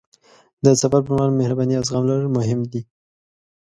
د سفر پر مهال مهرباني او زغم لرل مهم دي.